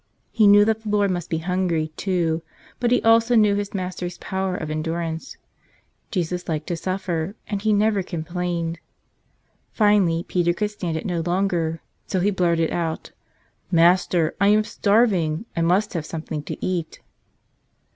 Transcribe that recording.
He knew that the Lord must be hungry, too; but he also knew his Master's power of endurance; Jesus liked to suffer, and He never complained. Finally Peter could stand it no longer, so he blurted out: "Master, I am starving; I must have something to eat!"